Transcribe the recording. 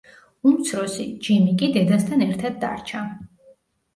უმცროსი, ჯიმი კი დედასთან ერთად დარჩა.